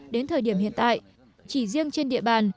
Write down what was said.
đến thời điểm hiện tại chỉ riêng trên địa bàn